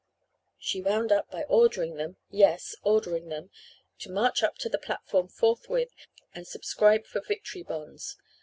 She wound up by ordering them yes, ordering them to march up to the platform forthwith and subscribe for Victory Bonds.